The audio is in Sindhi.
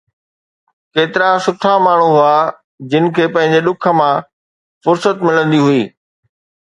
ڪيترا سٺا ماڻهو هئا جن کي پنهنجي ڏک مان فرصت ملندي هئي